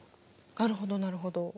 なるほどなるほど。